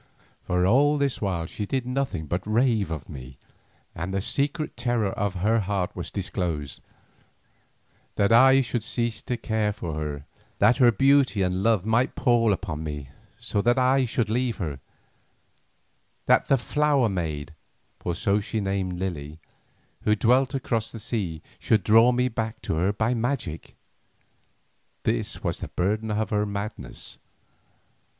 For all this while she did nothing but rave of me, and the secret terror of her heart was disclosed—that I should cease to care for her, that her beauty and love might pall upon me so that I should leave her, that "the flower maid," for so she named Lily, who dwelt across the sea should draw me back to her by magic; this was the burden of her madness.